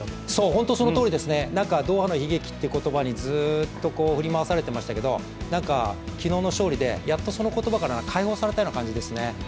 本当にそのとおりですね、ドーハの悲劇という言葉にずっと振り回されていましたけれども、昨日の勝利でやっとその言葉から解放されたような感じですね。